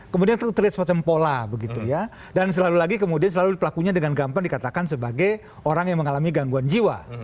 kemudian terlihat semacam pola begitu ya dan selalu lagi kemudian selalu pelakunya dengan gampang dikatakan sebagai orang yang mengalami gangguan jiwa